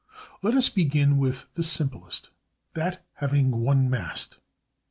Let us begin with the simplest—that having one mast.